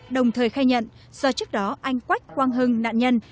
đồng thời khai nhận do trước đó anh quách quang hưng nạn nhân